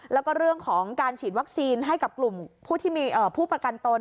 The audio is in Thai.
แล้วก็เรื่องของการฉีดวัคซีนให้กับกลุ่มผู้ที่มีผู้ประกันตน